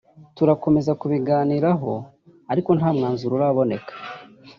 turakomeza kubiganiraho ariko nta mwanzuro uraboneka